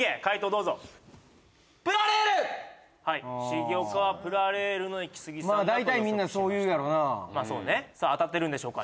どうぞはい重岡はプラレールのイキスギさんだと予測しました大体みんなそう言うやろなまあそうねさあ当たってるんでしょうか？